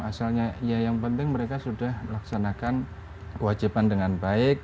asalnya ya yang penting mereka sudah melaksanakan kewajiban dengan baik